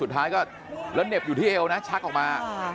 สุดท้ายก็แล้วเหน็บอยู่ที่เอวนะชักออกมา